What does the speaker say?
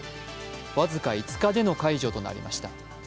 僅か５日間での解除となりました。